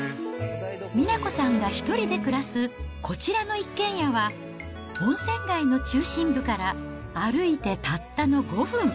美奈子さんが１人で暮らすこちらの一軒家は、温泉街の中心部から歩いてたったの５分。